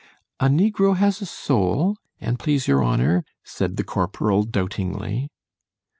_ A negro has a soul? an' please your honour, said the corporal (doubtingly).